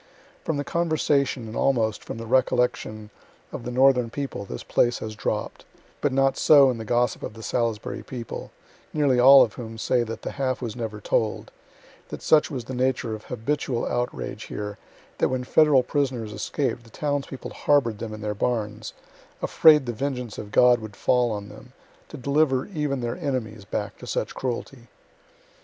From the conversation and almost from the recollection of the northern people this place has dropp' d, but not so in the gossip of the Salisbury people, nearly all of whom say that the half was never told; that such was the nature of habitual outrage here that when Federal prisoners escaped the townspeople harbor'd them in their barns, afraid the vengeance of God would fall on them, to deliver even their enemies back to such cruelty.